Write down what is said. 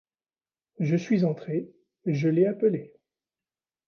Je suis entrée, je l’ai appelé.